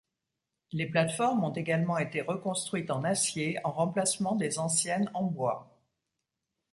Les plates-formes ont également été reconstruites en acier en remplacement des anciennes en bois.